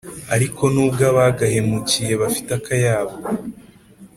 ariko nubwo abagahemukiye bafite akayabo